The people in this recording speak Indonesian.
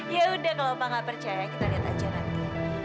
yaudah kalau pak gak percaya kita lihat aja nanti